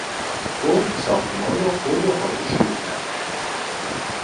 بمب ساختمان را خردو خاک شیر کرد.